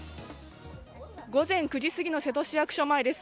午前９時過ぎの瀬戸市役所前です。